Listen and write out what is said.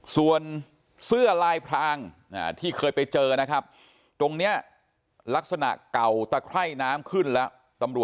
ส่วนเสื้อลายพรางที่เคยไปเจอนะครับตรงนี้ลักษณะเก่าตะไคร่น้ำขึ้นแล้ว